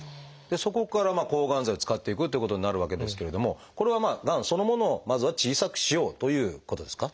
そこから抗がん剤を使っていくということになるわけですけれどもこれはがんそのものをまずは小さくしようということですか？